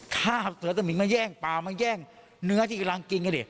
ฆ่าเสือสมิงมาแย่งปลามาแย่งเนื้อที่กำลังกินกันดิ